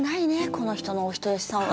この人のお人好しさは。